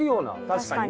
確かに。